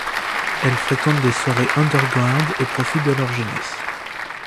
Elles fréquentent des soirées underground et profitent de leur jeunesse.